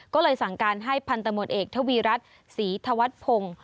ก็เลยสั่งการให้พันธุ์ตำรวจเอกธวีรัตน์ศรีธวัฒพงศ์